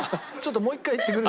もう１回言ってくれる？